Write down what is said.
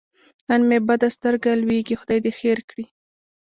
نن مې بده سترګه لوېږي خدای دې خیر کړي.